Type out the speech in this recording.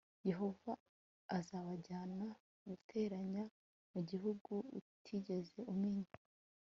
yehova azabajyana+ mu gihugu utigeze umenya